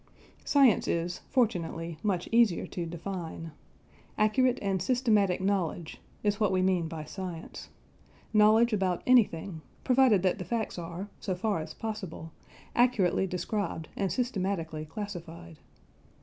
Science is, fortunately, much easier to define. Accurate and systematic knowledge is what we mean by science knowledge about anything, provided that the facts are (so far as possible) accurately described and systematically classified.